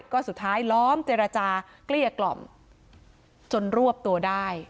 ก็สุดท้ายล้อมเจรจาเกลี้ยกล่อมจนรวบตัวได้